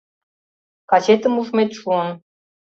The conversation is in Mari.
— Качетым ужмет шуын.